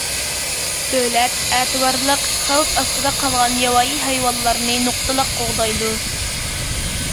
دۆلەت ئەتىۋارلىق، خەۋپ ئاستىدا قالغان ياۋايى ھايۋانلارنى نۇقتىلىق قوغدايدۇ.